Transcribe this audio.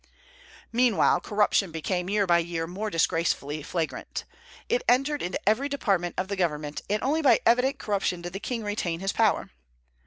Meanwhile corruption became year by year more disgracefully flagrant. It entered into every department of the government, and only by evident corruption did the king retain his power.